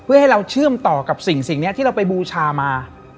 เพื่อให้เราเชื่อมต่อกับสิ่งนี้ที่เราไปบูชามา